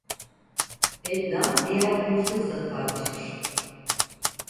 Edna diğer hırsızla tartışır.